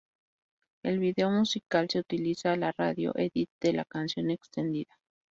El video musical se utiliza la radio edit de la canción extendida.